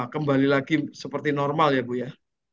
kembali lagi seperti normal ya bu ya